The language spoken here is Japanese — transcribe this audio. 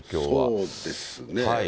そうですね。